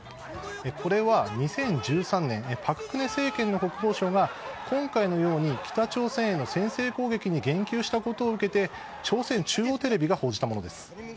これは２０１３年朴槿惠政権の国防相が今回のように、北朝鮮への先制攻撃に言及したことを受けて朝鮮中央テレビが報じたものです。